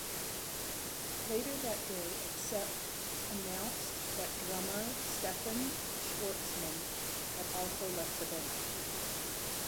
Later that day, Accept announced that drummer Stefan Schwarzmann had also left the band.